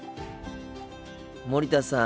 森田さん